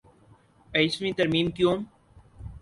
ائیسویں ترمیم کیوں؟